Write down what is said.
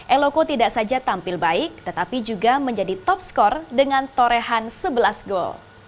eloko tidak saja tampil baik tetapi juga menjadi top skor dengan torehan sebelas gol